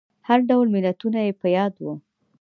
هر ډول متلونه يې په ياد وو.